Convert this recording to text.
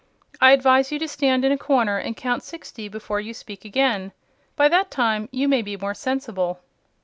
"I advise you to stand in a corner and count sixty before you speak again. By that time you may be more sensible."